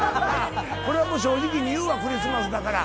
これはもう正直に言うわクリスマスだから。